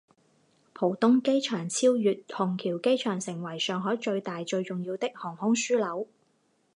浦东机场超越虹桥机场成为上海最大最重要的航空枢纽。